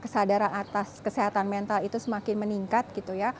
tentunya ya juga tidak bisa lepas dari kesehatan mental yang kita lakukan di masa pandemi gitu ya